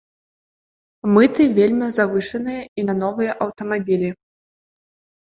Мыты вельмі завышаныя і на новыя аўтамабілі.